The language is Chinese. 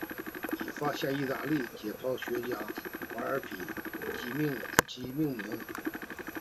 以发现者意大利解剖学家马尔比基命名。